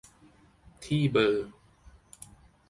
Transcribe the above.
ที่เบอร์